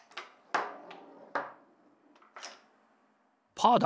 パーだ！